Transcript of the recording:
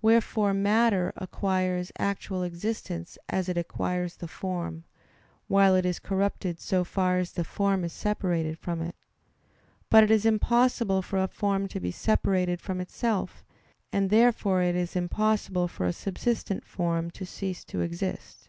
Wherefore matter acquires actual existence as it acquires the form; while it is corrupted so far as the form is separated from it. But it is impossible for a form to be separated from itself; and therefore it is impossible for a subsistent form to cease to exist.